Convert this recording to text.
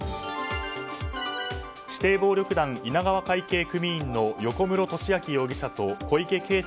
指定暴力団稲川会系組員の横室俊明容疑者と小池圭祐